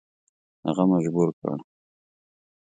هغه مجبور کړ.